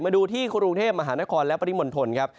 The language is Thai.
มาดูที่กรุงเทพฯมหานครและประณีหม่นทนครับ